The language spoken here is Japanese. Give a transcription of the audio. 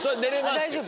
大丈夫？